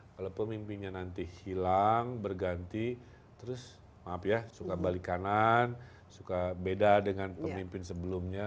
kalau pemimpinnya nanti hilang berganti terus maaf ya suka balik kanan suka beda dengan pemimpin sebelumnya